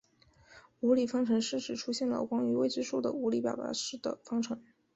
无理方程是指出现了关于未知数的无理表达式的方程。